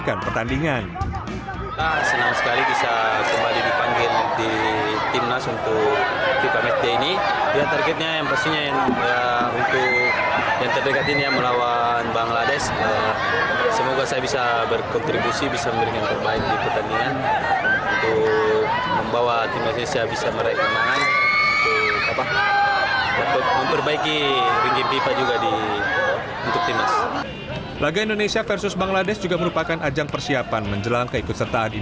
jika jordi berlatih selama setahun dia harus berlatih sehingga dia bisa berlatih